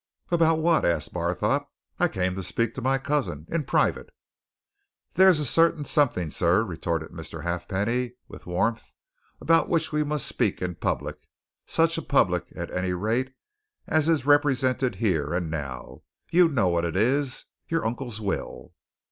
"About what?" asked Barthorpe. "I came to speak to my cousin in private." "There is a certain something, sir," retorted Mr. Halfpenny, with warmth, "about which we must speak in public such a public, at any rate, as is represented here and now. You know what it is your uncle's will!"